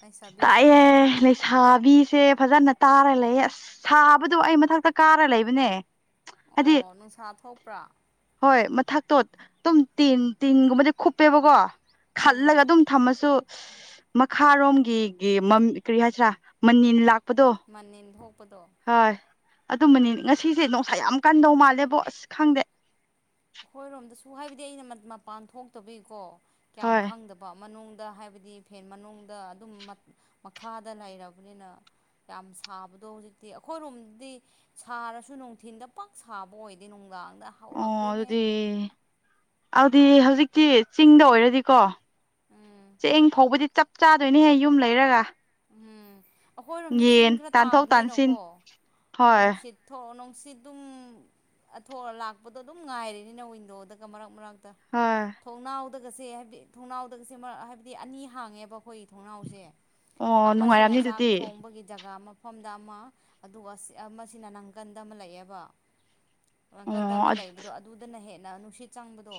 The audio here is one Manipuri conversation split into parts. ꯂꯩꯁꯥꯕꯤ ꯇꯥꯏꯌꯦꯦ ꯅꯁꯥꯕꯤ ꯁꯦ ꯐꯖꯅ ꯇꯥꯔ ꯂꯩꯌꯦ ꯑꯁ ꯁꯥꯕꯗꯣ ꯑꯩ ꯃꯊꯛꯇ ꯀꯥꯔ ꯂꯩꯕꯅꯦ꯫ ꯍꯥꯏꯗꯤ ꯑꯣ ꯅꯨꯡꯁꯥ ꯊꯣꯛꯄ꯭ꯔꯥ ꯍꯣꯏ ꯃꯊꯛꯇꯣ ꯑꯗꯨꯝ ꯇꯦꯟ ꯇꯦꯟꯒꯨꯝꯕꯗꯤ ꯈꯨꯨꯞꯄꯦꯕꯀꯣ ꯎꯝ ꯈꯜꯂꯒ ꯑꯗꯨꯝ ꯊꯝꯃꯁꯨ ꯃꯈꯥꯔꯣꯝꯒꯤ ꯒꯤ ꯀ꯭ꯔꯤ ꯍꯥꯏꯁꯤꯔꯥ ꯃꯅꯤꯜ ꯂꯥꯛꯄꯗꯣ ꯃꯟ ꯏꯟꯊꯣꯛꯄꯗꯣ ꯍꯣꯏ ꯑꯗꯨꯝꯕꯅꯤ ꯉꯁꯤꯁꯦ ꯅꯨꯡꯁꯥ ꯌꯥꯝ ꯀꯟꯗꯧ ꯃꯥꯜꯂꯦꯕꯣ ꯑꯁ ꯈꯪꯗꯦ꯫ ꯑꯩꯈꯣꯏꯔꯣꯝꯗꯁꯨ ꯍꯥꯏꯕꯗꯤ ꯑꯩꯅ ꯃꯄꯥꯟ ꯊꯣꯛꯇꯕꯒꯤꯀꯣ ꯀꯌꯥꯝ ꯍꯣꯏ ꯈꯪꯗꯕ ꯃꯅꯨꯡꯗ ꯍꯥꯏꯕꯗꯤ ꯐꯦꯟ ꯃꯅꯨꯡꯗ ꯑꯗꯨꯝ ꯃꯈꯥꯗ ꯂꯩꯔꯕꯅꯤꯅ ꯌꯥꯝ ꯁꯥꯕꯗꯣ ꯍꯧꯖꯤꯛꯇꯤ ꯑꯩꯈꯣꯏꯔꯣꯝꯗꯗꯤ ꯁꯥꯔꯁꯨ ꯅꯨꯡꯊꯤꯟꯗ ꯄꯛ ꯁꯥꯕ ꯑꯣꯏꯗꯦ ꯅꯨꯡꯗꯥꯡꯗ ꯍꯧꯔꯛ ꯑꯣ ꯑꯗꯨꯗꯤ ꯑꯗꯨꯗꯤ ꯍꯧꯖꯤꯛꯇꯤ ꯆꯤꯡꯗ ꯑꯣꯏꯔꯗꯤꯀꯣ ꯎꯝ ꯆꯦꯡ ꯐꯥꯎꯕꯗꯤ ꯆꯞ ꯆꯥꯗꯣꯏꯅꯦꯍꯦ ꯌꯨꯝ ꯂꯩꯔꯒ ꯎꯝ ꯑꯩꯈꯣꯏꯔꯣꯝꯗ ꯆꯤꯡ ꯌꯦꯟ ꯈꯔ ꯇꯥꯟꯊꯣꯛ ꯇꯥꯟꯁꯤꯟ ꯇꯥꯕꯅꯤꯅꯀꯣ ꯍꯣꯏ ꯅꯨꯡꯁꯤꯠ ꯊꯣꯛꯑꯣ ꯅꯨꯡꯁꯤꯠ ꯑꯗꯨꯝ ꯑꯊꯣꯔ ꯂꯥꯛꯄꯗꯣ ꯑꯗꯨꯝ ꯉꯥꯏꯔꯤꯅꯤꯅ ꯋꯤꯟꯗꯣꯗꯒ ꯃꯔꯛ ꯃꯔꯛꯇ ꯍꯣꯏ ꯊꯣꯡꯅꯥꯎꯗꯒꯁꯦ ꯍꯥꯏꯕꯗꯤ ꯊꯣꯡꯅꯥꯎꯗꯒꯁꯦꯛ ꯍꯥꯏꯕꯗꯤ ꯑꯅꯤ ꯍꯥꯡꯉꯦꯕ ꯑꯩꯈꯣꯏ ꯊꯣꯡꯅꯥꯎꯁꯦ꯫ ꯑꯣ ꯑꯃꯁꯤꯅ ꯅꯨꯡꯉꯥꯏꯔꯝꯅꯤ ꯆꯥꯛ ꯑꯗꯨꯗꯤ ꯊꯣꯡꯕꯒꯤ ꯖꯒꯥ ꯑꯃ ꯃꯐꯝꯗ ꯑꯃ ꯑꯗꯨꯒ ꯑꯃꯅ ꯅꯅꯥꯪꯀꯟꯗ ꯑꯃ ꯂꯩꯑꯦꯕ ꯥꯡꯀꯟꯗ ꯑꯃ ꯑꯣ ꯂꯩꯕꯗꯣ ꯑꯗꯨꯗꯅ ꯍꯦꯟꯅ ꯅꯨꯡꯁꯤꯠ ꯆꯪꯕꯗꯣ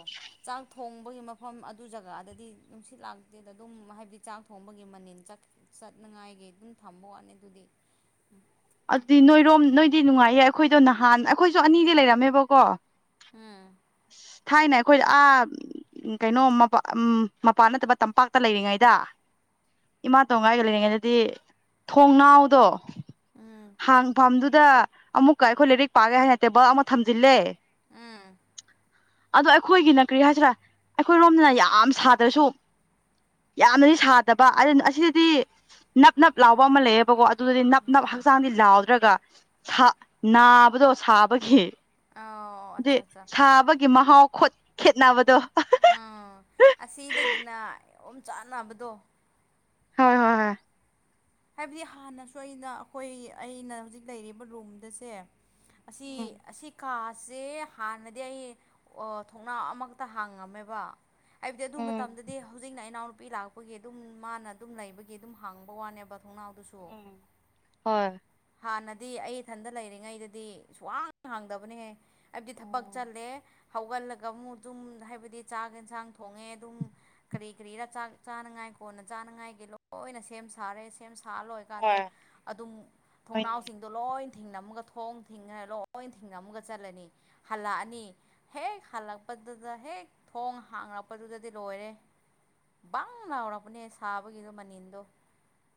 ꯆꯥꯛ ꯊꯣꯡꯕꯒꯤ ꯃꯐꯝ ꯑꯗꯨ ꯖꯒꯥꯗꯗꯤ ꯅꯨꯡꯁꯤꯠ ꯂꯥꯛꯇꯦꯗ ꯑꯗꯨꯝ ꯍꯥꯏꯕꯗꯤ ꯆꯥꯛ ꯊꯣꯡꯕꯒꯤ ꯃꯅꯤꯜ ꯆꯠꯀꯦ ꯆꯠꯅꯉꯥꯏꯒꯤ ꯑꯗꯨꯝ ꯊꯝꯕ ꯋꯥꯠꯅꯤ ꯑꯗꯨꯗꯤ ꯑꯗꯨꯗꯤ ꯅꯣꯏꯔꯣꯝ ꯅꯣꯏꯗꯤ ꯅꯨꯡꯉꯥꯏꯌꯦ ꯑꯩꯈꯣꯏꯗꯣ ꯅꯍꯥꯟ ꯑꯩꯈꯣꯏꯁꯨ ꯑꯅꯤꯗꯤ ꯂꯩꯔꯝꯃꯦꯕꯀꯣ ꯍꯥ ꯊꯥꯏꯅ ꯑꯩꯈꯣꯏꯗ ꯑꯥ ꯎꯝ ꯀꯩꯅꯣ ꯃꯄꯥ ꯎꯝ ꯃꯄꯥꯟ ꯅꯠꯇꯕ ꯇꯝꯄꯥꯛꯇ ꯂꯩꯔꯤꯉꯩꯗ ꯏꯃꯥꯇꯣꯟꯒ ꯑꯩꯒ ꯂꯩꯔꯤꯉꯩꯗꯗꯤ ꯊꯣꯡꯅꯥꯎꯗꯣ ꯎꯝ ꯍꯥꯡꯐꯝꯗꯨꯗ ꯑꯃꯨꯛꯀ ꯑꯩꯈꯣꯏ ꯂꯥꯏꯔꯤꯛ ꯄꯥꯒꯦ ꯍꯥꯏꯅ ꯇꯦꯕꯜ ꯑꯃ ꯊꯝꯖꯤꯜꯂꯦ ꯎꯝ ꯑꯗꯣ ꯑꯩꯈꯣꯏꯒꯤꯅ ꯀ꯭ꯔꯤ ꯍꯥꯏꯁꯤꯔꯥ ꯑꯩꯈꯣꯏꯔꯣꯝꯗꯅ ꯌꯥꯝ ꯁꯥꯗ꯭ꯔꯁꯨ ꯌꯥꯝꯅꯗꯤ ꯁꯥꯗꯕ ꯑꯁꯤꯗꯗꯤ ꯅꯞ ꯅꯞ ꯂꯥꯎꯕ ꯑꯃ ꯂꯩꯌꯦꯕꯀꯣ ꯑꯗꯨꯗꯗꯤ ꯅꯞ ꯅꯞ ꯎꯝ ꯍꯛ ꯂꯥꯎ ꯅꯠꯇ꯭ꯔꯒ ꯅꯥꯕꯗꯣ ꯁꯥꯕꯒꯤ ꯑ ꯗꯤ ꯑꯠꯆꯥ ꯑꯠꯆꯥ ꯁꯥꯕꯒꯤ ꯃꯍꯥꯎ ꯈꯨꯠ ꯈꯦꯠꯅꯕꯗꯣ ꯎꯥ ꯑꯁꯤꯗꯒꯤꯅ ꯑꯣꯝꯆꯥꯛꯅꯕꯗꯣ ꯍꯣꯏ ꯍꯣꯏ ꯍꯥꯏꯕꯗꯤ ꯍꯥꯟꯅꯁꯨ ꯑꯩꯅ ꯑꯩꯈꯣꯏ ꯑꯩꯅ ꯍꯧꯖꯤꯛ ꯂꯩꯔꯤꯕ ꯔꯨꯝꯗꯁꯦ ꯑꯁꯤ ꯎꯝ ꯑꯁꯤ ꯀꯥꯁꯦ ꯍꯥꯟꯅꯗꯤ ꯑꯩ ꯊꯣꯡꯅꯥ ꯑꯃꯛꯇ ꯍꯥꯡꯉꯝꯃꯦꯕ ꯍꯥꯏꯕꯗꯤ ꯑꯗꯨ ꯎꯝ ꯃꯇꯝꯗꯗꯤ ꯍꯧꯖꯤꯛꯅ ꯏꯅꯥꯎꯅꯨꯄꯤ ꯂꯥꯛꯄꯒꯤ ꯑꯗꯨꯝ ꯃꯥꯅ ꯑꯗꯨꯝ ꯂꯩꯕꯒꯤ ꯑꯗꯨꯝ ꯍꯥꯡꯕ ꯋꯥꯅꯦꯕ ꯊꯣꯡꯅꯥꯎꯗꯨꯁꯨ ꯎꯝ ꯍꯣꯏ ꯍꯥꯟꯅꯗꯤ ꯑꯩ ꯏꯊꯟꯗ ꯂꯩꯔꯤꯉꯩꯗꯗꯤ ꯁꯨꯋꯥꯡ ꯍꯥꯡꯗꯕꯅꯦꯍꯦ ꯑꯩꯗꯤ ꯊꯕꯛ ꯑꯣ ꯆꯠꯂꯦ ꯍꯧꯒꯠꯂꯒ ꯑꯃꯨꯛ ꯑꯗꯨꯝ ꯍꯥꯏꯕꯗꯤ ꯆꯥꯛ ꯌꯦꯟꯁꯥꯡ ꯊꯣꯡꯉꯦ ꯑꯗꯨꯝ ꯀꯔꯤ ꯀꯔꯤ ꯆꯥꯅꯉꯥꯏ ꯀꯣꯟꯅ ꯆꯥꯅꯉꯥꯏꯒꯤ ꯂꯣꯏꯅ ꯁꯦꯝ ꯁꯥꯔꯦ ꯁꯦꯝ ꯁꯥ ꯂꯣꯏ ꯑꯗꯣ ꯍꯣꯏ ꯑꯗꯨꯝ ꯍꯣꯏꯅꯦ ꯊꯣꯡꯅꯥꯎꯁꯤꯡꯗꯣ ꯂꯣꯏ ꯊꯤꯡꯅꯝꯃꯒ ꯊꯣꯡ ꯊꯤꯡꯔꯦ ꯂꯣꯏ ꯊꯤꯡꯅꯝꯃꯒ ꯆꯠꯂꯅꯤ ꯍꯜꯂꯛꯑꯅꯤ ꯍꯦꯛ ꯍꯜꯂꯛꯄꯗꯨꯗ ꯍꯦꯛ ꯊꯣꯡ ꯍꯥꯡꯉꯛꯄꯗꯨꯗꯗꯤ ꯂꯣꯏꯔꯦ ꯕꯪ ꯉꯥꯎꯔꯛꯄꯅꯦ ꯁꯥꯕꯒꯤꯗꯣ ꯃꯅꯤꯟꯗꯣ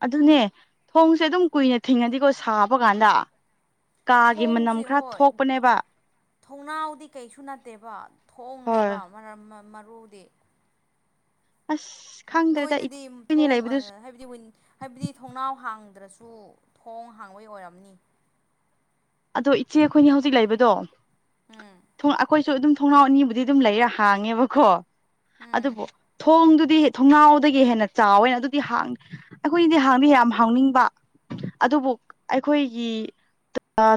ꯑꯗꯨꯅꯦ ꯊꯣꯡꯁꯦ ꯑꯗꯨꯝ ꯀꯨꯏꯅ ꯊꯤꯡꯉꯗꯤꯀꯣ ꯁꯥꯕ ꯀꯥꯟꯗ ꯀꯥꯒꯤ ꯃꯅꯝ ꯊꯣꯡꯁꯤ ꯈꯔ ꯍꯣꯏ ꯊꯣꯛꯄꯅꯦꯕ ꯊꯣꯡꯅꯥꯎꯗꯤ ꯀꯩꯁꯨ ꯅꯠꯇꯦꯕ ꯍꯣꯏ ꯊꯣꯡꯅꯦꯕ ꯃꯔꯨꯗꯤ ꯑꯁ ꯈꯪꯗ꯭ꯔꯦꯗ ꯏꯆꯦ ꯅꯣꯏꯗꯗꯤ ꯑꯩꯈꯣꯏꯅꯤ ꯊꯣꯡ ꯂꯩꯕꯗꯨꯁꯨ ꯍꯥꯏꯕꯗꯤ ꯍꯥꯏꯕꯗꯤ ꯊꯣꯡꯅꯥꯎ ꯍꯥꯡꯗ꯭ꯔꯁꯨ ꯊꯣꯡ ꯍꯥꯡꯕꯣꯏ ꯑꯣꯏꯔꯝꯅꯤ ꯑꯗꯣ ꯏꯆꯦ ꯑꯩꯈꯣꯏꯅꯤ ꯍꯧꯖꯤꯛ ꯂꯩꯕꯗꯣ ꯎꯝ ꯊꯣꯡ ꯑꯩꯈꯣꯏꯁꯨ ꯑꯗꯨꯝ ꯊꯣꯡꯅꯥꯎ ꯑꯅꯤꯕꯨꯗꯤ ꯑꯗꯨꯝ ꯂꯩꯔ ꯍꯥꯡꯉꯦꯕꯀꯣ ꯎꯝ ꯑꯗꯨꯕꯨ ꯊꯣꯡꯗꯨꯗꯤ ꯊꯣꯡꯅꯥꯎꯗꯒꯤ ꯍꯦꯟꯅ ꯆꯥꯎꯋꯦ ꯑꯗꯨꯗꯤ ꯍꯥꯡ ꯑꯩꯈꯣꯏꯗꯤ ꯍꯥꯡꯗꯤ ꯌꯥꯝ ꯍꯥꯎꯅꯤꯡꯕ ꯑꯗꯨꯕꯨ ꯑꯩꯈꯣꯏꯒꯤ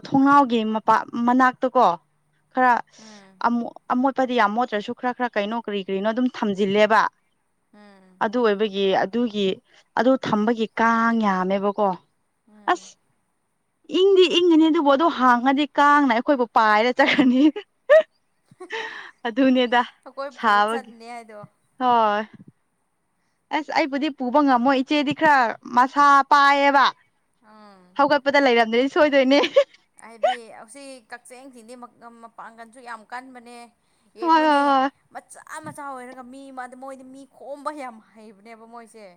ꯊꯣꯡꯅꯥꯎꯒꯤ ꯃꯄꯥ ꯃꯅꯥꯛꯇ ꯀꯣ ꯈꯔ ꯎꯝ ꯑꯃꯣꯠꯄꯗꯤ ꯌꯥꯝ ꯃꯣꯠꯇ꯭ꯔꯁꯨ ꯈꯔ ꯈꯔ ꯀꯩꯅꯣ ꯀ꯭ꯔꯤ ꯀ꯭ꯔꯤꯅꯣ ꯑꯗꯨꯝ ꯊꯝꯖꯤꯜꯂꯦꯕ ꯎꯝ ꯗꯨ ꯑꯣꯏꯕꯒꯤ ꯑꯗꯨꯒꯤ ꯑꯗꯨ ꯊꯝꯕꯒꯤ ꯀꯥꯡ ꯌꯥꯝꯃꯦꯕꯀꯣ ꯎꯝ ꯑꯁ ꯏꯪꯗꯤ ꯏꯪꯉꯤꯅꯤ ꯑꯗꯨꯕꯨ ꯑꯗꯣ ꯍꯥꯡꯉꯗꯤ ꯀꯥꯡꯅ ꯑꯩꯈꯣꯏꯕꯨ ꯄꯥꯏꯔ ꯆꯠꯈ꯭ꯔꯅꯤ ꯑꯗꯨꯅꯦꯗ ꯑꯩꯈꯣꯏ ꯄꯨ ꯁꯥꯕꯒꯤ ꯆꯠꯅꯤ ꯍꯥꯏꯗꯣ ꯍꯣꯏ ꯑꯁ ꯑꯩꯕꯨꯗꯤ ꯄꯨꯕ ꯉꯝꯃꯣꯏ ꯏꯆꯦꯗꯤ ꯈꯔ ꯃꯁꯥ ꯄꯥꯏꯌꯦꯕ ꯑꯥ ꯍꯧꯒꯠꯄꯗ ꯂꯩꯔꯝꯗ꯭ꯔꯅꯤ ꯁꯣꯏꯗꯣꯏꯅꯦ ꯍꯥꯏꯗꯤ ꯑꯁꯤ ꯀꯛꯆꯤꯡꯁꯤꯡꯗꯤ ꯃꯄꯥꯡꯒꯜꯁꯨ ꯌꯥꯝ ꯀꯟꯕꯅꯦ ꯍꯣꯏ ꯍꯣꯏ ꯌꯦꯡꯉꯨꯅꯦ ꯍꯣꯏ ꯃꯆꯥ ꯃꯆꯥ ꯃꯆꯥ ꯑꯣꯏꯔꯒ ꯃꯤ ꯃꯣꯏꯗꯤ ꯃꯤ ꯈꯣꯝꯕ ꯌꯥꯝ ꯍꯩꯕꯅꯦꯕ ꯃꯣꯏꯁꯦ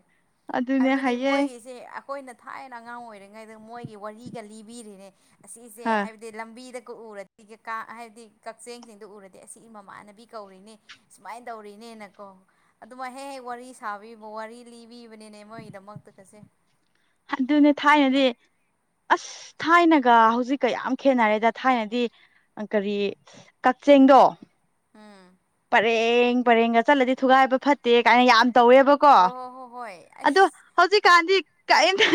ꯑꯗꯨꯅꯦ ꯍꯥꯏꯕꯗꯤ ꯍꯥꯏꯌꯦ ꯃꯣꯏꯒꯤꯁꯦ ꯑꯩꯈꯣꯏꯅ ꯊꯥꯏꯅ ꯑꯉꯥꯡ ꯑꯣꯏꯔꯤꯉꯩꯗ ꯃꯣꯏꯒꯤ ꯋꯥꯔꯤꯒ ꯂꯤꯕꯤꯔꯤꯅꯦ ꯑꯁꯤꯁꯦ ꯍꯣꯏ ꯍꯥꯏꯕꯗꯤ ꯂꯝꯕꯤꯗꯒ ꯎꯔꯗꯤ ꯀꯥ ꯍꯥꯏꯕꯗꯤ ꯀꯛꯆꯦꯡꯁꯤꯡꯗꯨ ꯎꯔꯗꯤ ꯑꯁꯤ ꯃꯃꯥꯟꯅꯕꯤ ꯀꯧꯔꯤꯅꯤ ꯁꯨꯃꯥꯏꯅ ꯇꯧꯔꯤꯅꯦꯅꯀꯣ ꯑꯗꯨꯃꯥꯏ ꯍꯦꯛ ꯋꯥꯔꯤ ꯁꯥꯕꯤꯕ ꯋꯥꯔꯤ ꯂꯤꯕꯤꯕꯅꯤꯅꯦ ꯃꯣꯏꯒꯤꯗꯃꯛꯇ ꯀꯁꯦ ꯑꯗꯨꯅꯦ ꯊꯥꯏꯅꯗꯤ ꯑꯁ ꯊꯥꯏꯅꯒ ꯍꯧꯖꯤꯛꯀ ꯌꯥꯝ ꯈꯦꯠꯅꯔꯦꯗ ꯊꯥꯏꯅꯗꯤ ꯀꯔꯤ ꯀꯛꯆꯦꯡꯗꯣ ꯎꯝ ꯄꯔꯦꯡ ꯄꯔꯦꯡꯒ ꯆꯠꯂꯗꯤ ꯊꯨꯒꯥꯏꯕ ꯐꯠꯇꯦ ꯀꯥꯏꯅ ꯌꯥꯝ ꯇꯧꯋꯦꯕ ꯀꯣ ꯍꯣꯏ ꯍꯣꯏ ꯍꯣꯏ ꯍꯣꯏ ꯑꯗꯣ ꯑꯁ ꯍꯧꯖꯤꯛꯀꯥꯟꯗꯤ ꯀꯔꯤꯝꯇ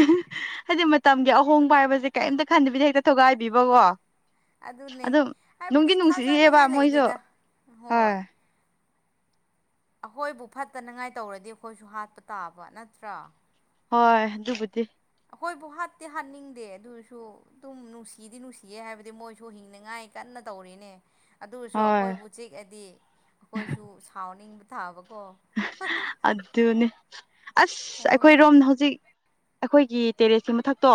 ꯍꯥꯏꯗꯤ ꯃꯇꯝꯒꯤ ꯑꯍꯣꯡꯕ ꯍꯥꯏꯕꯁꯦ ꯀꯔꯤꯝꯇ ꯈꯟꯗꯕꯤꯗ ꯍꯦꯛꯇ ꯊꯨꯒꯥꯏꯕꯤꯕꯀꯣ ꯑꯗꯨꯅꯦ ꯑꯗꯨꯝ ꯅꯨꯡꯗꯤ ꯍꯥꯏꯕꯗꯤ ꯅꯨꯡꯁꯤꯌꯦꯕ ꯊꯥꯖꯥꯅꯤꯡꯉꯥꯏ ꯃꯣꯏꯁꯨ ꯂꯩꯗꯦꯗ ꯍꯣꯏ ꯑꯩꯈꯣꯏꯕꯨ ꯐꯠꯇꯅꯉꯥꯏ ꯇꯧꯔꯗꯤ ꯑꯩꯈꯣꯏꯁꯨ ꯍꯥꯠꯄ ꯇꯥꯕ ꯅꯠꯇ꯭ꯔꯥ ꯍꯣꯏ ꯑꯗꯨꯕꯨꯗꯤ ꯑꯩꯈꯣꯏꯕꯨ ꯍꯥꯠꯇꯤ ꯍꯥꯠꯅꯤꯡꯗꯦ ꯑꯗꯣꯏꯁꯨ ꯑꯗꯨꯝ ꯅꯨꯡꯁꯤꯗꯤ ꯅꯨꯡꯁꯤꯌꯦ ꯍꯥꯏꯕꯗꯤ ꯃꯣꯏꯁꯨ ꯍꯤꯡꯅꯉꯥꯏ ꯀꯟꯅ ꯇꯧꯔꯤꯅꯦ ꯑꯗꯨꯁꯨ ꯍꯣꯏ ꯑꯩꯈꯣꯏꯕꯨ ꯆꯤꯛꯑꯗꯤ ꯑꯩꯈꯣꯏꯁꯨ ꯁꯥꯎꯅꯤꯡꯕ ꯊꯥꯕꯀꯣ ꯍꯥꯍꯥ ꯑꯗꯨꯅꯦ ꯑꯁ ꯑꯩꯈꯣꯏ ꯔꯣꯝꯅ ꯍꯧꯖꯤꯛ ꯑꯩꯈꯣꯏꯒꯤ ꯇꯦꯔꯦꯁꯀꯤ ꯃꯊꯛꯇꯣ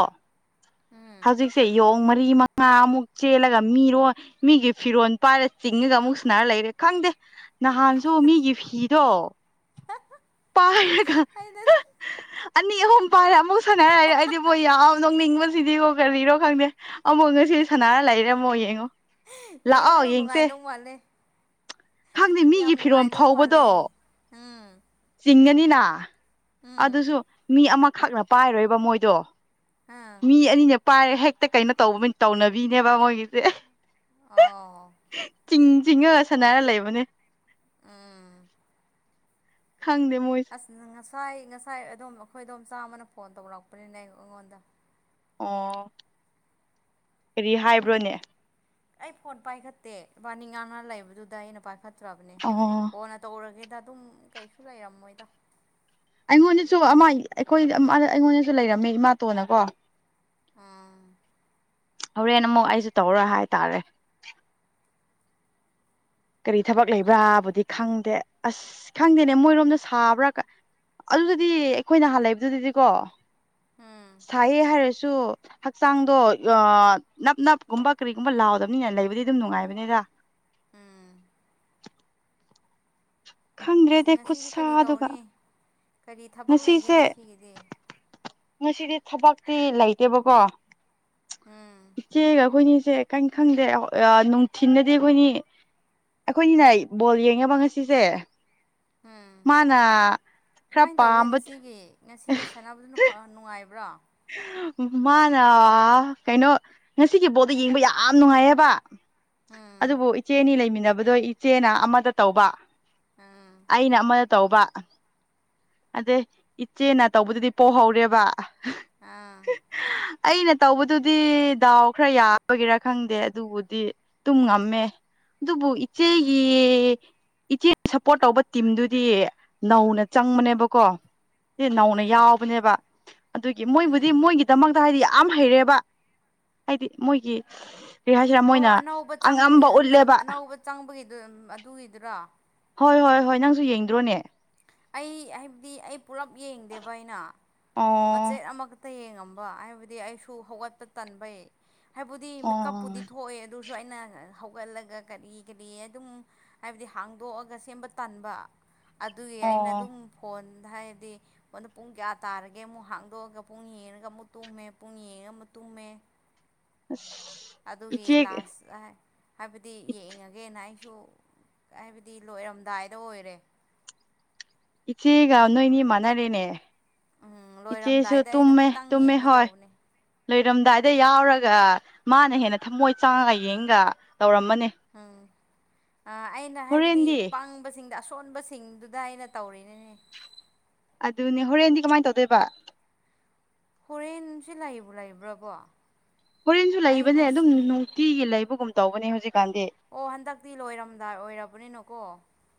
ꯎꯝ ꯍꯧꯖꯤꯛ ꯁꯦ ꯌꯣꯡ ꯃꯔꯤ ꯃꯉꯥ ꯑꯃꯨꯛ ꯆꯦꯜꯂꯒ ꯃꯤꯔꯣ ꯃꯤꯒꯤ ꯐꯤꯔꯣꯜ ꯄꯥꯏꯔ ꯆꯤꯡꯉꯒ ꯑꯃꯨꯛ ꯁꯨꯅꯔ ꯂꯩꯔꯦ ꯈꯪꯗꯦ ꯅꯍꯥꯟꯁꯨ ꯃꯤꯒꯤ ꯐꯤ ꯣ ꯄꯥꯏꯔꯒ ꯑꯩꯅ ꯑꯅꯤ ꯑꯍꯨꯝ ꯄꯥꯏꯔꯦ ꯑꯃꯨꯛ ꯁꯅ ꯍꯥꯏꯔ ꯑꯩꯗꯤꯕꯣ ꯌꯥꯝ ꯅꯣꯛꯅꯤꯡꯕꯁꯤꯗꯤꯕꯣ ꯀꯔꯤꯔꯣ ꯈꯪꯗꯦ ꯑꯃꯨꯛ ꯉꯁꯤ ꯁꯅꯥꯔ ꯂꯩꯔꯝꯃꯣ ꯌꯦꯡꯉꯣ ꯂꯥꯛꯑꯣ ꯍꯡꯉꯣꯏꯅꯣ ꯌꯦꯡꯁꯦ ꯅꯨꯡꯉꯥꯏꯗꯧ ꯃꯥꯜꯂꯦ ꯈꯪꯗꯦ ꯌꯥꯝ ꯃꯤꯒꯤ ꯐꯤꯔꯣꯜ ꯅꯨꯡꯉꯥꯏꯗꯧ ꯃꯥꯜꯂꯦ ꯎꯝ ꯆꯤꯡꯉꯅꯤꯅ ꯎꯝ ꯑꯗꯨꯁꯨ ꯃꯤ ꯑꯃꯈꯛꯅ ꯄꯥꯏꯔꯣꯏꯕ ꯃꯣꯏꯗꯣ ꯑꯥ ꯃꯤ ꯑꯅꯤꯅ ꯄꯥꯏꯔꯦ ꯍꯦꯛꯇ ꯀꯩꯅꯣ ꯇꯧꯕ ꯇꯧꯅꯕꯤꯅꯦꯕ ꯃꯣꯏꯒꯤꯁꯦ ꯑꯣ ꯆꯤꯡ ꯆꯤꯡꯉꯒ ꯁꯥꯟꯅꯔ ꯂꯩꯕꯅꯦ ꯑꯥ ꯈꯪꯗ ꯃꯣꯏ ꯑꯁ ꯉꯁꯥꯏ ꯉꯁꯥꯏ ꯑꯗꯨꯝ ꯑꯩꯈꯣꯏꯗꯣꯝ ꯆꯥꯝꯃꯅ ꯐꯣꯟ ꯇꯧꯔꯛꯄꯅꯤꯅꯦ ꯑꯩꯉꯣꯟꯗ ꯑꯣ ꯀꯔꯤ ꯍꯥꯏꯕ꯭ꯔꯣꯅꯦ ꯑꯩ ꯄꯣꯠ ꯄꯥꯏꯈꯠꯇꯦ ꯏꯕꯥꯅꯤ ꯉꯥꯡꯅ ꯂꯩꯕꯗꯨꯗ ꯑꯩꯅ ꯄꯥꯏꯈꯠꯇ꯭ꯔꯕꯅꯦ ꯑꯣ ꯅ ꯇꯧꯔꯒꯦꯗ ꯑꯗꯨꯝ ꯀꯩꯁꯨ ꯂꯩꯔꯝꯃꯣꯏꯗꯣ ꯑꯩꯉꯣꯟꯗꯁꯨ ꯑꯃ ꯑꯩꯈꯣꯏ ꯑꯩꯉꯣꯟꯗꯁꯨ ꯂꯩꯔꯝꯃꯦ ꯏꯃꯥꯇꯣꯟꯅꯀꯣ ꯑꯥ ꯍꯣꯔꯦꯟ ꯑꯃꯨꯛ ꯑꯩꯁꯨ ꯇꯧꯔ ꯍꯥꯏꯇꯥꯔꯦ ꯀꯔꯤ ꯊꯕꯛ ꯂꯩꯕ꯭ꯔꯥꯕꯨꯗꯤ ꯈꯪꯗꯦ ꯑꯁ ꯈꯪꯗꯦꯅꯦ ꯃꯣꯏꯔꯣꯝꯗ ꯁꯥꯕ꯭ꯔꯥ ꯑꯗꯨꯗꯨꯗꯤ ꯑꯩꯈꯣꯏ ꯅꯍꯥꯟ ꯂꯩꯕꯗꯨꯗꯗꯤꯀꯣ ꯍꯥꯥꯝ ꯊꯥꯏꯑ ꯍꯥꯏꯔꯁꯨ ꯍꯛꯆꯥꯡꯗꯣ ꯅꯞ ꯅꯞꯀꯨꯝꯕ ꯀꯔꯤꯒꯨꯝꯕ ꯂꯥꯎꯗꯕꯅꯤꯅ ꯂꯩꯕꯗꯤ ꯑꯗꯨꯝ ꯅꯨꯡꯉꯥꯏꯕꯅꯤꯗ ꯎꯝ ꯍꯧꯖꯤꯛ ꯈꯪꯗ꯭ꯔꯦꯗ ꯉꯁꯤꯗꯤ ꯀꯔꯤ ꯈꯨꯠꯁꯥꯗꯨꯒ ꯇꯧꯅꯤ ꯀꯔꯤ ꯊꯕꯛ ꯂꯩꯒꯦ ꯉꯁꯤꯁꯦ ꯉꯁꯤꯒꯤꯗꯤ ꯉꯁꯤꯗꯤ ꯊꯕꯛꯇꯤ ꯂꯩꯇꯦꯕꯀꯣ ꯎꯝ ꯏꯆꯦꯒ ꯑꯩꯈꯣꯏ ꯏꯁꯦ ꯀꯥꯏꯝ ꯈꯪꯗꯦ ꯅꯨꯡꯊꯤꯗꯗꯤ ꯑꯩꯈꯣꯏꯅꯤ ꯑꯩꯈꯣꯏꯅꯤꯅ ꯕꯣꯜ ꯌꯦꯡꯉꯕ ꯉꯁꯤꯁꯦ ꯎꯝ ꯃꯥꯅ ꯈꯔ ꯀꯃꯥꯏꯅ ꯇꯧꯒꯦ ꯄꯥꯝꯕ ꯉꯁꯤꯒꯤ ꯉꯁꯤꯒꯤ ꯁꯥꯟꯅꯕꯗꯨꯅ ꯍ ꯅꯨꯡꯉꯥꯏꯕ꯭ꯔꯥ ꯃꯥꯅ ꯀꯩꯅꯣ ꯉꯁꯤꯒꯤ ꯕꯣꯜꯗꯣ ꯌꯦꯡꯕ ꯌꯥꯝ ꯅꯨꯡꯉꯥꯏꯌꯦꯕ ꯎꯝ ꯑꯗꯨꯕꯨ ꯏꯆꯦꯅꯤ ꯂꯩꯃꯤꯟꯅꯕꯗꯣ ꯏꯆꯦꯅ ꯑꯃꯇ ꯇꯧꯕ ꯑꯝ ꯑꯩꯅ ꯑꯃꯗ ꯇꯧꯕ ꯑꯗꯩ ꯏꯆꯦꯅ ꯇꯧꯕꯗꯨꯗꯤ ꯄꯣꯛꯍꯧꯔꯦꯕ ꯍꯥ ꯑꯩꯅ ꯇꯧꯕꯗꯨꯗꯤ ꯗꯥꯎ ꯈꯔ ꯌꯥꯕꯒꯤꯔꯥ ꯈꯪꯗꯦ ꯑꯗꯨꯕꯨꯗꯤ ꯇꯨꯝꯉꯝꯃꯦ ꯑꯗꯨꯕꯨ ꯏꯆꯦꯒꯤ ꯎꯝ ꯏꯆꯦ ꯁꯞꯄꯣꯔꯠ ꯇꯧꯕ ꯇꯤꯝꯗꯨꯗꯤ ꯅꯧꯅ ꯆꯪꯕꯅꯦꯕꯀꯣ ꯁꯤ ꯅꯧꯅ ꯎꯝ ꯌꯥꯎꯕꯅꯦꯕ ꯑꯗꯨꯒꯤ ꯎꯝ ꯃꯣꯏꯕꯨꯗꯤ ꯃꯣꯏꯒꯤꯗꯃꯛꯇ ꯍꯥꯏꯗꯤ ꯌꯥꯝ ꯍꯩꯔꯦꯕ ꯍꯥꯏꯗꯤ ꯃꯣꯏꯒꯤ ꯀ ꯍꯥꯏꯁꯤꯔꯥ ꯑꯣ ꯃꯣꯏꯅ ꯑꯉꯝꯕ ꯎꯠꯂꯦꯕ ꯆꯪꯕꯒꯤꯗ ꯑꯗꯨꯒꯤꯗꯨꯔꯣ ꯍꯣꯏ ꯍꯣꯏ ꯍꯣꯏ ꯅꯪꯁꯨ ꯌꯦꯡꯗ꯭ꯔꯣꯅꯦ ꯑꯩ ꯍꯥꯏꯕꯗꯤ ꯑꯩ ꯄꯨꯂꯞ ꯌꯦꯡꯗꯦꯕ ꯑꯩꯅ ꯑꯣ ꯃꯆꯦꯠ ꯑꯃ ꯇ ꯌꯦꯡꯉꯝꯕ ꯍꯥꯏꯕꯗꯤ ꯑꯩꯁꯨ ꯍꯧꯒꯠꯄ ꯇꯟꯕꯩ ꯍꯥꯏꯕꯗꯤ ꯑꯣ ꯃꯤꯀꯞꯄꯨꯗꯤ ꯊꯣꯛꯑꯦ ꯑꯗꯨ ꯁꯨ ꯑꯩꯅ ꯍꯧꯒꯠꯂꯒ ꯀꯔꯤ ꯀꯔꯤ ꯑꯗꯨꯝ ꯍꯥꯏꯕꯗꯤ ꯍꯥꯡꯗꯣꯛꯑꯒ ꯁꯦꯝꯕ ꯇꯥꯟꯕ ꯑꯗꯨꯒꯤ ꯑꯩꯅ ꯑꯣ ꯑꯗꯨꯝ ꯐꯣꯟꯗ ꯍꯥꯏꯕꯗꯤ ꯑꯩꯗ ꯄꯨꯡ ꯀꯌꯥ ꯇꯥꯔꯒꯦ ꯑꯃꯨꯛ ꯍꯥꯡꯗꯣꯛꯑꯒ ꯄꯨꯡ ꯌꯦꯡꯉꯒ ꯑꯃꯨꯛ ꯇꯨꯝꯃꯦ ꯄꯨꯡ ꯌꯦꯡꯉꯒ ꯑꯃꯨꯛ ꯇꯨꯝꯃꯦ ꯑꯁ ꯑꯗꯨꯒꯤ ꯂꯥꯁ ꯍꯥꯏꯕꯗꯤ ꯌꯦꯡꯉꯒꯦꯅ ꯑꯩꯁꯨ ꯍꯥꯏꯕꯗꯤ ꯂꯣꯏꯔꯝꯗꯥꯏꯗ ꯑꯣꯏꯔꯦ ꯏꯆꯦꯒ ꯅꯣꯏꯅꯤꯃꯥꯟꯅꯔꯦꯅꯦ ꯎꯝ ꯏꯆꯦꯁꯨ ꯂꯣꯏꯔꯝꯗꯥꯏꯗ ꯑꯩꯅ ꯇꯨꯝꯃꯦ ꯈꯤꯇꯪ ꯇꯨꯝꯃꯦ ꯌꯦꯡꯒꯦ ꯍꯣꯢ ꯇꯧꯕꯅꯦ ꯂꯣꯏꯔꯝꯗꯥꯏꯗ ꯌꯥꯎꯔꯒ ꯃꯥꯅ ꯍꯦꯟꯅ ꯊꯃꯣꯏ ꯆꯥꯡꯉꯒ ꯌꯦꯡꯒ ꯇꯧꯔꯝꯃꯅꯤ ꯎꯝ ꯑꯩꯅ ꯍꯥꯏꯕꯗꯤ ꯍꯣꯔꯦꯟꯗꯤ ꯄꯥꯡꯕꯁꯤꯡꯗ ꯑꯁꯣꯟꯕꯁꯤꯡꯗꯨꯗ ꯑꯩꯅ ꯇꯧꯔꯤꯅꯤꯅꯦ ꯑꯗꯨꯅꯦ ꯍꯣꯔꯦꯟꯗꯤ ꯀꯃꯥꯏꯅ ꯇꯧꯗꯣꯏꯕ ꯍꯣꯔꯦꯟꯁꯦ ꯂꯩꯕꯨ ꯂꯩꯕ꯭ꯔꯕꯣ ꯍꯣꯔꯦꯟꯁꯨ ꯑꯩ ꯂꯩꯕꯅꯦ ꯑꯗꯨꯝ ꯉꯁꯤ ꯅꯨꯡꯇꯤꯒꯤ ꯂꯩꯕꯒꯨꯝ ꯇꯧꯕꯅꯦ ꯍꯧꯖꯤꯛꯀꯥꯟꯗꯤ ꯑꯣ ꯍꯟꯗꯛꯇꯤ ꯂꯣꯏꯔꯝꯗꯥꯏ ꯑꯣꯏꯔꯕꯅꯤꯅꯀꯣ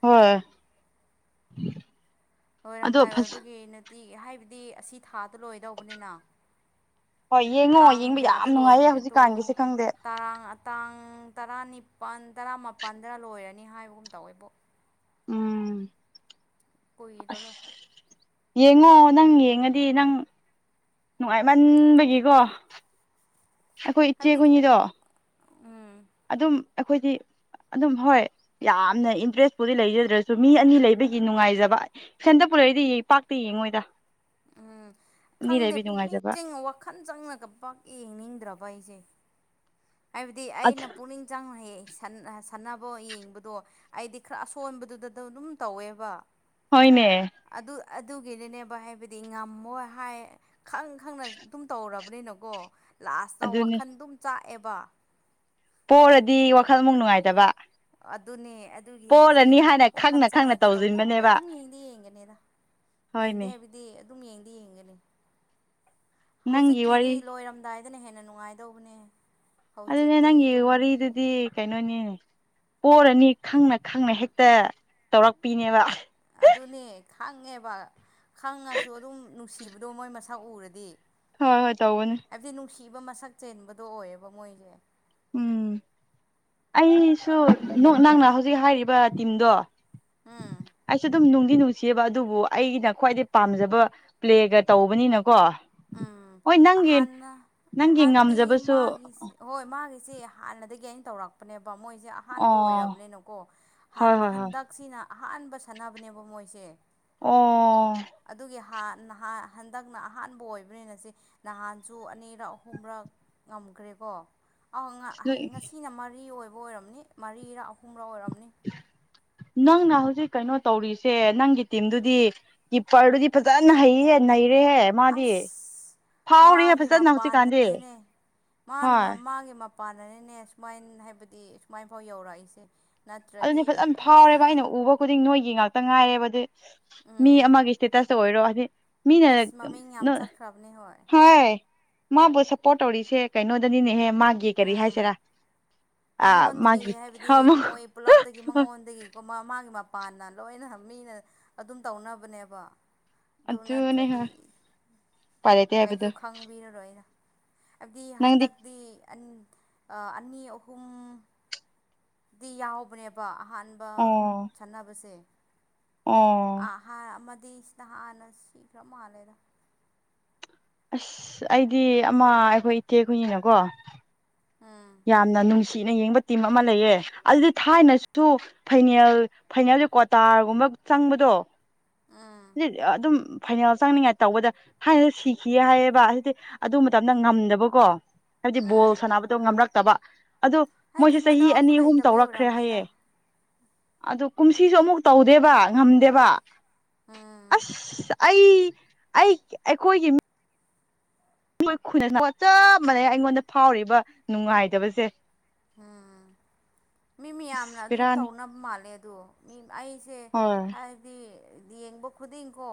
ꯍꯣꯏ ꯑꯗꯣ ꯂꯣꯏꯔꯝꯗꯥꯏ ꯐꯖ ꯑꯣꯏꯕꯒꯤ ꯇꯤꯒꯤ ꯍꯥꯏꯕꯗꯤ ꯑꯁꯤ ꯊꯥꯗ ꯂꯣꯏꯗꯧꯕꯅꯤꯅ ꯍꯣꯏ ꯌꯦꯡꯉꯣ ꯇꯥꯡ ꯌꯦꯡꯕ ꯀꯌꯥꯗ ꯌꯥꯝ ꯅꯨꯡꯉꯥꯏꯌꯦ ꯂꯣꯏꯒꯦ ꯇꯣ ꯍꯧꯖꯤꯛꯀꯥꯟꯒꯤꯁꯦ ꯈꯪꯗꯦ ꯇꯔꯥꯡ ꯇꯥꯡ ꯇꯔꯥꯅꯤꯄꯜ ꯇꯔꯥꯃꯄꯜꯗ ꯂꯣꯏꯔꯅꯤ ꯍꯥꯏꯕꯒꯨꯝ ꯇꯧꯋꯦꯕꯣ ꯎꯝ ꯑꯁ ꯀꯨꯏꯔꯔꯣꯏ ꯌꯦꯡꯉꯣ ꯅꯪ ꯌꯦꯡꯉꯗꯤ ꯅꯪ ꯅꯨꯡꯉꯥꯏꯃꯟꯕꯒꯤꯀꯣ ꯑꯩꯈꯣꯏ ꯍꯥꯏꯕꯗꯤ ꯊꯣꯛ ꯏꯆꯦꯈꯣꯏꯅꯤꯗꯣ ꯎꯝ ꯑꯗꯨꯝ ꯑꯩꯈꯣꯏꯗꯤ ꯑꯗꯨꯝ ꯍꯣꯏ ꯌꯥꯝꯅ ꯏꯟꯇ꯭ꯔꯦꯁꯄꯨꯗꯤ ꯂꯩꯖꯗ꯭ꯔꯁꯨ ꯃꯤ ꯑꯅꯤ ꯂꯩꯕꯒꯤ ꯅꯨꯡꯉꯥꯏꯖꯕ ꯁꯦꯟꯗ ꯄꯨꯔꯛꯏꯗꯤ ꯌꯦꯄꯥꯛꯇ ꯌꯦꯡꯉꯣꯏꯗ ꯎꯝ ꯑꯅꯤ ꯈꯪꯗꯦ ꯂꯩꯕꯤ ꯄꯨꯛꯅꯤꯡ ꯅꯨꯡꯉꯥꯏꯖꯕ ꯆꯤꯡꯉ ꯋꯥꯈꯜ ꯆꯪꯅꯒ ꯄꯥꯛ ꯌꯦꯡꯅꯤꯡꯗ꯭ꯔꯕ ꯑꯩꯁꯦ ꯍꯥꯏꯕꯗꯤ ꯑꯩꯅ ꯄꯨꯛꯅꯤꯡ ꯆꯪꯅꯌꯦ ꯁꯥꯟꯅꯕ ꯌꯦꯡꯕꯗꯣ ꯑꯩꯗꯤ ꯈꯔ ꯑꯁꯣꯟꯕꯗꯨꯗ ꯑꯗꯨꯝ ꯇꯧꯋꯦꯕ ꯍꯣꯏꯅꯦ ꯑꯗꯨ ꯑꯗꯨꯒꯤꯅꯅꯦꯕ ꯍꯥꯏꯕꯗꯤ ꯉꯝꯃꯣꯏ ꯍꯥꯏ ꯈꯪ ꯈꯪꯅ ꯑꯗꯨꯝ ꯇꯧꯔꯕꯅꯤꯅꯀꯣ ꯂꯥꯁꯇ ꯑꯗꯨꯅꯤ ꯋꯥꯈꯜ ꯑꯗꯨꯝ ꯆꯥꯛꯑꯦꯕ ꯄꯣꯔꯗꯤ ꯋꯥꯈꯜꯃꯨꯛ ꯅꯨꯡꯉꯥꯏꯇꯕ ꯑꯗꯨꯅꯦ ꯑꯗꯨꯒꯤ ꯑꯩꯁꯦ ꯄꯣꯔꯅꯤ ꯍꯥꯏꯅ ꯋꯥꯈꯜ ꯈꯪꯅ ꯈꯪꯅ ꯆꯪꯅꯗꯤ ꯇꯧꯅꯤꯡꯗ꯭ꯔꯦ ꯇꯧꯁꯤꯟꯕꯅꯦꯕ ꯑꯗꯨꯝ ꯌꯦꯡꯗꯤ ꯌꯦꯡꯒꯅꯤꯗ ꯌꯦꯡꯗꯦ ꯍꯣꯏꯅꯦ ꯍꯥꯏꯕꯗꯤ ꯑꯗꯨꯝ ꯌꯦꯡꯗꯤ ꯌꯦꯡꯒꯅꯤ ꯅꯪꯒꯤ ꯍꯧꯖꯤꯛꯀꯤꯗꯤ ꯋꯥꯔꯤ ꯂꯣꯏꯔꯝꯗꯥꯏ ꯗꯨꯅ ꯍꯦꯟꯅ ꯅꯨꯡꯉꯥꯏꯗꯧꯕꯅꯦ ꯑꯗꯨ ꯍꯧꯖꯤꯛꯇꯤ ꯅꯪꯒꯤ ꯑꯗꯨꯝ ꯋꯥꯔꯤꯔꯗꯨꯗꯤ ꯀꯩꯅꯣꯅꯦ ꯄꯣꯔꯅꯤ ꯈꯪꯅ ꯈꯪꯅ ꯍꯦꯛꯇ ꯇꯧꯔꯛꯄꯤꯅꯦꯕ ꯑꯗꯨꯅꯦ ꯈꯪꯉꯦꯕ ꯈꯪꯉꯁꯨ ꯑꯗꯨꯝ ꯅꯨꯡꯁꯤꯕꯗꯣ ꯃꯣꯏ ꯃꯁꯛ ꯎꯔꯗꯤ ꯍꯣꯏ ꯍꯣꯏ ꯇꯎꯅꯤ ꯍꯥꯏꯕꯗꯤ ꯅꯨꯡꯁꯤꯕ ꯃꯁꯛ ꯆꯦꯟꯕꯗꯣ ꯑꯣꯏꯌꯦꯕ ꯃꯣꯏꯁꯦ ꯎꯝ ꯑꯩꯁꯨ ꯅꯪꯅ ꯍꯧꯖꯤꯛ ꯍꯥꯏꯔꯤꯕ ꯇꯤꯝꯗꯣ ꯎꯝ ꯑꯩꯁꯦ ꯑꯗꯨꯝ ꯅꯅꯨꯡꯗꯤ ꯅꯨꯡ ꯁꯦꯕ ꯑꯗꯨꯕꯨ ꯑꯩꯒꯤꯅ ꯈ꯭ꯋꯥꯏꯗꯩ ꯄꯥꯝꯖꯕ ꯄ꯭ꯂꯦꯒ ꯇꯧꯕꯅꯤꯅꯀꯣ ꯎꯝ ꯍꯣꯏ ꯅꯪꯒꯤ ꯍꯥꯟꯅ ꯅꯪꯒꯤ ꯍꯥꯏꯕꯗꯤ ꯉꯝꯖꯕꯁꯨ ꯃꯥꯒꯤꯁꯤ ꯍꯣꯏ ꯃꯥꯒꯤꯁꯤ ꯍꯥꯟꯅꯗꯒꯤ ꯑꯩꯅ ꯇꯧꯔꯛꯄꯅꯦꯕ ꯃꯣꯏꯁꯦ ꯑꯍꯥꯟꯕ ꯑꯣ ꯑꯣꯏꯔꯕꯅꯤꯅꯀꯣ ꯍꯣꯏ ꯍꯣꯏ ꯍꯣꯏ ꯍꯟꯗꯛꯁꯤꯅ ꯑꯍꯥꯟꯕ ꯁꯥꯟꯅꯕꯅꯦꯕ ꯃꯣꯏꯁꯦ ꯑꯣ ꯑꯗꯨꯒꯤ ꯍꯥꯟ ꯅꯥꯍꯟ ꯍꯟꯗꯛꯅ ꯑꯍꯥꯟꯕ ꯑꯣꯏꯕꯅꯤꯅ ꯁꯤ ꯅꯍꯥꯟꯁꯨ ꯑꯅꯤꯔꯛ ꯑꯍꯨꯝꯔꯛ ꯉꯝꯈ꯭ꯔꯦꯀꯣ ꯑ ꯉꯁꯤꯅ ꯃꯔꯤ ꯑꯣꯏꯕ ꯑꯣꯏꯔꯝꯅꯤ ꯃꯔꯤꯔꯥ ꯑꯍꯨꯝꯔ ꯑꯣꯏꯔꯝꯅꯤ ꯅꯪꯅ ꯍꯧꯖꯤꯛ ꯀꯩꯅꯣ ꯇꯧꯔꯤꯁꯦ ꯅꯪꯒꯤ ꯇꯤꯝꯗꯨꯗꯤ ꯀꯤꯞꯄꯔꯗꯨꯗꯤ ꯐꯖꯅ ꯍꯩꯍꯦ ꯅꯩꯔꯦꯍꯦ ꯃꯥꯗꯤ ꯑꯁ ꯐꯥꯎꯔꯦꯍꯦ ꯃꯥꯒꯤ ꯐꯖꯅ ꯍꯧꯖꯤꯛꯀꯥꯟꯗꯤ ꯃꯄꯥꯟꯅꯤꯅꯦ ꯃꯥꯅ ꯃ ꯍꯣꯏ ꯃꯥꯥꯒꯤ ꯄꯥꯟꯅꯅꯤꯅꯦ ꯁꯨꯃꯥꯏꯅ ꯍꯥꯏꯕꯗꯤ ꯁꯨꯃꯥꯏ ꯐꯥꯎ ꯌꯧꯔꯛꯏꯁꯦ ꯑꯗꯨꯅꯤ ꯅꯠꯇ꯭ꯔꯗꯤ ꯐꯖꯟ ꯑꯦꯁ ꯐꯥꯎꯔꯦꯕ ꯑꯩꯅ ꯎꯕ ꯈꯨꯗꯤꯡ ꯅꯣꯏꯒꯤ ꯉꯥꯛꯇ ꯉꯥꯏꯔꯦꯕ ꯑꯗꯨꯏ ꯃꯤ ꯎꯝ ꯑꯃꯒꯤ ꯏꯁꯇꯦꯇꯁꯇ ꯑꯣꯏꯔꯣ ꯍꯥꯏꯗꯤ ꯃꯤꯅ ꯏꯁ ꯃꯃꯤꯡ ꯌꯥꯝ ꯆꯠꯈ꯭ꯔꯕꯅꯦ ꯍꯣꯏ ꯍ ꯃꯥꯕꯨ ꯁꯞꯄꯣꯔꯠ ꯇꯧꯔꯤꯁꯦ ꯀꯩꯅꯣꯗꯅꯤꯅꯦꯍꯦ ꯃꯥꯒꯤ ꯀꯔꯤ ꯎꯝ ꯍꯥꯏꯁꯤꯔꯥ ꯑꯥ ꯃꯉꯣꯟꯗꯒꯤ ꯃꯥꯒꯤ ꯍꯥꯏꯕꯗꯤ ꯃꯣꯏ ꯄꯨꯂꯞꯇꯒꯤ ꯃꯉꯣꯟꯗꯒꯤꯀꯃꯒꯤ ꯄꯥꯟꯅ ꯂꯣꯏꯅ ꯃꯤꯅ ꯑꯗꯨꯝ ꯇꯧꯅꯕꯅꯦꯕ ꯑꯗꯨ ꯑꯗꯨꯅꯦ ꯅꯠꯇ꯭ꯔꯗꯤ ꯍꯣꯏ ꯎꯄꯥꯏ ꯂꯩꯇꯦ ꯀꯩꯁꯨ ꯍꯥꯏꯕꯗꯣ ꯈꯪꯕꯤꯔꯔꯣꯏꯗ ꯍꯥꯏꯕꯗꯤ ꯅꯪꯗꯤ ꯍꯟꯗꯛꯇꯤ ꯑꯟ ꯑꯥ ꯑꯅꯤ ꯑꯍꯨꯝ ꯗꯤ ꯌꯥꯎꯕꯅꯦꯕ ꯑꯍꯥꯟꯕ ꯑꯣ ꯁꯥꯟꯅꯕꯁꯦ ꯑꯣ ꯑꯃꯗꯤ ꯁꯤꯗ ꯍꯥꯟꯅ ꯁꯤꯈ꯭ꯔ ꯃꯥꯜꯂꯦꯗ ꯑꯁ ꯑꯩꯗꯤ ꯑꯃ ꯑꯩꯈꯣꯏ ꯏꯊꯦꯛ ꯑꯩꯈꯣꯏꯅꯤꯅꯀꯣ ꯎꯝ ꯌꯥꯝꯅ ꯅꯨꯡꯁꯤꯅ ꯌꯦꯡꯕ ꯇꯤꯝ ꯑꯃ ꯂꯩꯌꯦ ꯑꯗꯨꯗꯤ ꯊꯥꯏꯅꯁꯨ ꯐꯥꯏꯅꯦꯜ ꯐꯥꯏꯅꯦꯜꯁ ꯀ꯭ꯋꯥꯇꯥꯔꯒꯨꯝꯕ ꯆꯪꯕꯗꯣ ꯎꯝ ꯑꯗꯨꯝ ꯐꯥꯏꯅꯦꯜ ꯆꯪꯅꯤꯡꯉꯥꯏ ꯇꯧꯕꯗ ꯊꯥꯏꯅ ꯁꯤꯈꯤꯌꯦ ꯍꯥꯏꯌꯦꯕ ꯑꯗꯨꯗꯤ ꯑꯗꯨ ꯃꯇꯝꯗ ꯉꯝꯗꯕꯀꯣ ꯍꯥꯏꯕꯗꯤ ꯎꯝ ꯕꯣꯜ ꯁꯥꯟꯅꯕꯗꯣ ꯉꯝꯂꯛꯇꯕ ꯑꯗꯣ ꯍꯥꯏꯗꯤ ꯃꯣꯏꯁꯦ ꯆꯍꯤ ꯃꯗꯥꯎꯁꯨ ꯑꯅꯤ ꯑꯍꯨꯝ ꯂꯩꯇꯕꯒꯤ ꯇꯧꯔꯛꯈ꯭ꯔꯦ ꯑꯣꯏꯔꯝꯅꯤꯗ ꯍꯥꯏꯌꯦ ꯑꯗꯨ ꯀꯨꯝꯁꯤꯁꯨ ꯑꯃꯨꯛ ꯇꯧꯗꯦꯕ ꯉꯝꯗꯦꯕ ꯑꯥ ꯑꯩ ꯑꯩꯈꯣꯏꯒꯤ ꯣꯏ ꯆꯞ ꯃꯥꯟꯅꯩ ꯑꯩꯉꯣꯟꯗ ꯐꯥꯎꯔꯤꯕ ꯅꯨꯡꯉꯥꯏꯗꯕꯁꯦ ꯎꯝ ꯃꯤ ꯃꯌꯥꯝꯅ ꯑꯁ ꯑꯗꯨ ꯕꯤꯔꯥꯅꯤ ꯇꯧꯅꯕ ꯃꯥꯜꯂꯦ ꯑꯗꯣ ꯃꯤ ꯑꯩ ꯁꯦ ꯍꯣꯏ ꯍꯥꯏꯕꯗꯤ ꯌꯦꯡꯕ ꯈꯨꯗꯤꯡ ꯀꯣ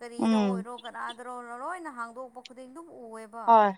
ꯀꯔꯤꯗ ꯎꯝ ꯑꯣꯏꯔꯣ ꯀꯅꯥ ꯔꯣꯔꯣ [unintelligible] ꯂꯣꯏꯅ ꯍꯥꯡꯗꯣꯛꯄ ꯈꯨꯗꯤꯡ ꯑꯗꯨꯝ ꯎꯑꯦꯕ ꯍꯣꯏ